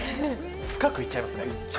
深くいっちゃいますね。